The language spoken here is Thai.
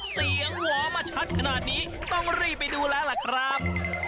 หวอมาชัดขนาดนี้ต้องรีบไปดูแล้วล่ะครับ